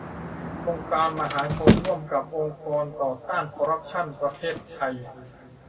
องค์การมหาชน ร่วมกับ องค์กรต่อต้านคอร์รัปชั่น ประเทศไทย